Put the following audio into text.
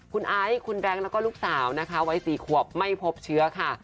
คุณไอซ์คุณแบงค์และลูกสาวไว้สี่ขวบไม่พบเชื้อค่ะ